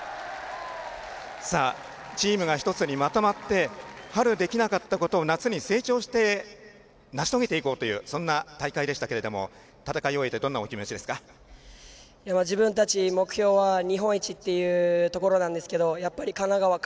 チームが１つにまとまって春できなかったことを夏に成長して成し遂げていこうというそんな大会でしたけど戦い終えて自分たち、目標は日本一っていうところなんですけどやっぱり神奈川勝